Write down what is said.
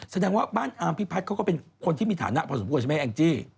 แสดงว่าบ้านอาร์มพิพัฒน์เขาก็เป็นคนที่มีฐานะพอสมควรใช่ไหมแองจี้